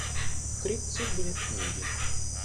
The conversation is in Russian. тридцать две книги